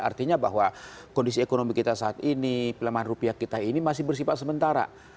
artinya bahwa kondisi ekonomi kita saat ini pelemahan rupiah kita ini masih bersifat sementara